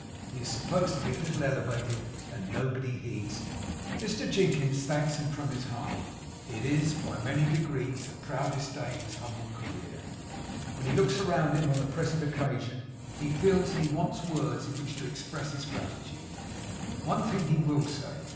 He is supposed to be a little elevated; and nobody heeds him. Mr Jinkins thanks them from his heart. It is, by many degrees, the proudest day in his humble career. When he looks around him on the present occasion, he feels that he wants words in which to express his gratitude. One thing he will say.